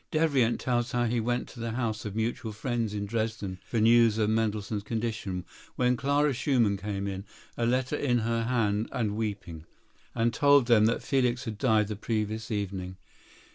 Devrient tells how he went to the house of mutual friends in Dresden for news of Mendelssohn's condition, when Clara Schumann came in, a letter in her hand and weeping, and told them that Felix had died the previous evening.